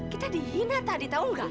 kita dihina tadi tahu nggak